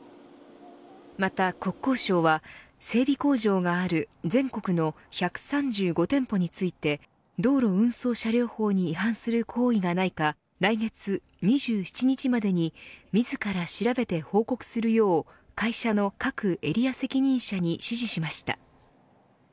また国交省は、整備工場がある全国の１３５店舗について道路運送車両法に違反する行為がないか来月２７日までに自ら調べて報告するよう会社の各エリア責任者に指示しました。